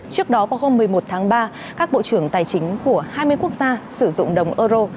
trước đó vào hôm một mươi một tháng ba các bộ trưởng tài chính của hai mươi quốc gia sử dụng đồng euro